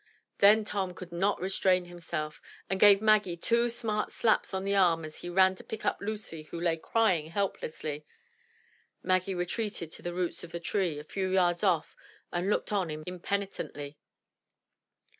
Then Tom could not restrain himself, and gave Maggie two smart slaps on the arm as he ran to pick up Lucy who lay crying helplessly. Maggie retreated to the roots of a tree a few yards off and looked on impenitently.